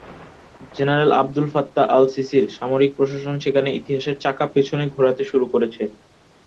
General Abdel Fattah আল-সিসির সামরিক প্রশাসন সেখানে ইতিহাসের চাকা পেছনে ঘোরাতে শুরু করেছে।